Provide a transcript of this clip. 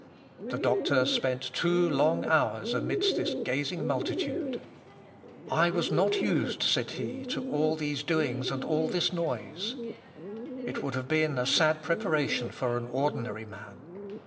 The doctor spent two long hours amid this gazing multitude. "I was not used," says he, "to all these doings and all this noise." It would have been a sad preparation for an ordinary man.